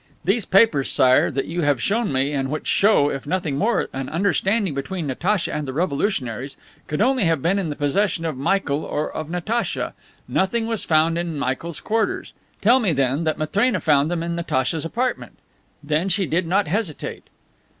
These papers, Sire, that you have shown me, and which show, if nothing more, an understanding between Natacha and the revolutionaries, could only have been in the possession of Michael or of Natacha. Nothing was found in Michael's quarters. Tell me, then, that Matrena found them in Natacha's apartment. Then, she did not hesitate!"